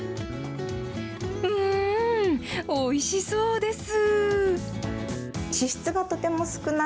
うーん、おいしそうです。